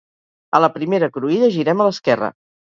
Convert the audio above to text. A la primera cruïlla girem a l'esquerra